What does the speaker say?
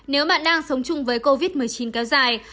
nếu bạn đang sống chung với covid một mươi chín kéo dài